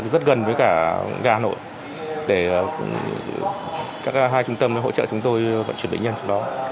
rất gần với cả ga nội để các hai trung tâm hỗ trợ chúng tôi chuyển bệnh nhân